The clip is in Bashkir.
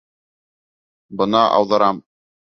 Бына ауҙарам!